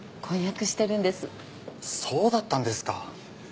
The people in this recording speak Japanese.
そうだったんですか。